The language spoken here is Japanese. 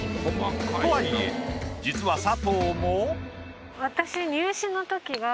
とはいえ実は佐藤も。